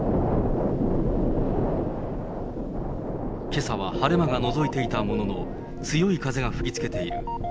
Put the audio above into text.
けさは晴れ間がのぞいていたものの、強い風が吹きつけている。